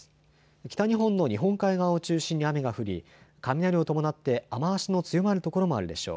北日本の日本海側を中心に雨が降り、雷を伴って雨足の強まる所もあるでしょう。